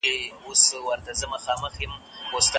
هغوی باید د کور په کارونو کې لږه مرسته وکړي.